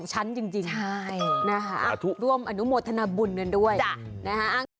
เหมือนด้วยเนี่ยฮะอังกฤษ